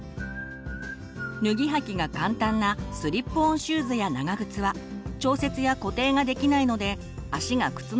脱ぎ履きが簡単なスリップオンシューズや長靴は調節や固定ができないので足が靴の中で動いてしまいます。